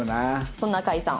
そんな赤井さん。